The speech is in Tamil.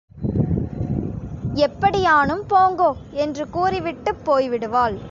எப்படியானும் போங்கோ! என்று கூறிவிட்டுப் போய் விடுவாள்.